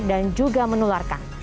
dan juga menularkan